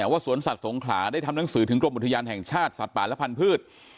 สวนสัตว์สงขลาได้ทำหนังสือถึงกรมอุทยานแห่งชาติสัตว์ป่าและพันธุ์